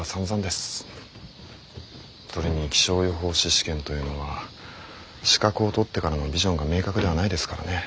それに気象予報士試験というのは資格を取ってからのビジョンが明確ではないですからね。